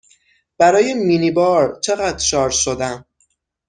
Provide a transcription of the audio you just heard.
برای مینی بار چقدر شارژ شدم؟